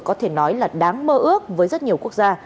có thể nói là đáng mơ ước với rất nhiều quốc gia